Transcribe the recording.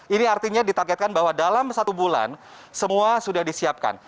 ini artinya ditargetkan bahwa dalam satu bulan semua sudah disiapkan